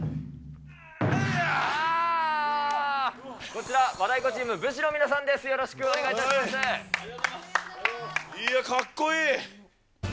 こちら、和太鼓チーム、武志の皆いや、かっこいい。